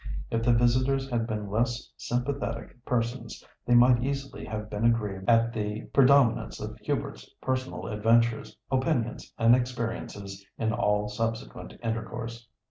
If the visitors had been less sympathetic persons they might easily have been aggrieved at the predominance of Hubert's personal adventures, opinions and experiences in all subsequent intercourse.